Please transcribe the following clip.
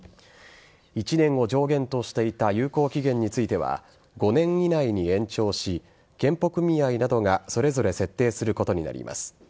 １年を上限としていた有効期限については５年以内に延長し健保組合などがそれぞれ設定することになります。